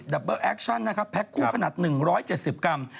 ับเบอร์แอคชั่นนะครับแพ็คคู่ขนาด๑๗๐กรัม